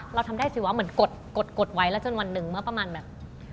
เราทำได้สิวะเหมือนกดไว้แล้วจนวันหนึ่งเมื่อประมาณแบบ